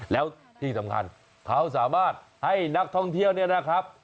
แล้วที่สำคัญเขาสามารถให้นักท่องเที่ยวเนี่ยนะครับ